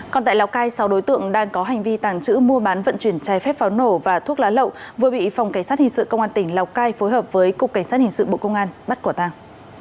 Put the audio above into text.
còn tại lào cai sáu đối tượng đang có hành vi tàng trữ mua bán vận chuyển trái phép pháo nổ và thuốc lá lậu vừa bị phòng cảnh sát hình sự công an tỉnh lào cai phối hợp với cục cảnh sát hình sự bộ công an bắt quả tàng